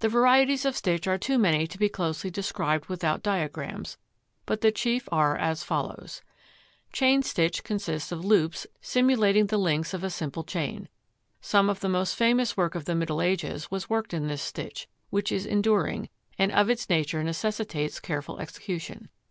The varieties of stitch are too many to be closely described without diagrams, but the chief are as follows: Chain stitch consists of loops simulating the links of a simple chain. Some of the most famous work of the Middle Ages was worked in this stitch, which is enduring, and of its nature necessitates careful execution.